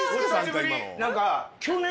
何か。